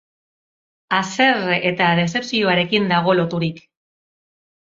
Haserre eta dezepzioarekin dago loturik.